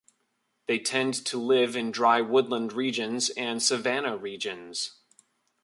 They tend to live in dry woodland regions and savannah regions.